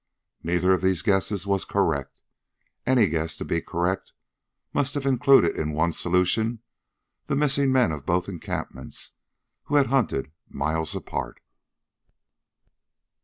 Neither of these guesses was correct. Any guess, to be correct, must have included in one solution the missing men of both encampments, who had hunted miles apart.